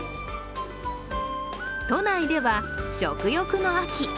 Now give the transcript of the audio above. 都内では食欲の秋。